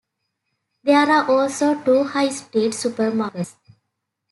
There are also two high-street supermarkets.